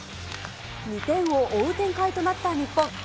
２点を追う展開となった日本。